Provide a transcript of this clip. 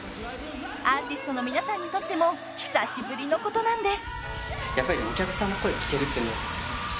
［アーティストの皆さんにとっても久しぶりのことなんです］